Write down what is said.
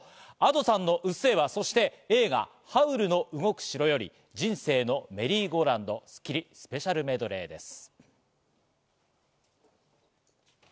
Ａｄｏさんの『うっせぇわ』、そして映画『ハウルの動く城』より『人生のメリーゴーランド』をスッキリスペシャルメドレーです。